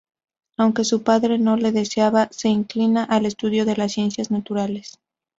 Aunque su padre no lo deseaba, se inclina al estudio de las ciencias naturales.